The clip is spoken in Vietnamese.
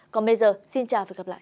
còn bây giờ xin chào và gặp lại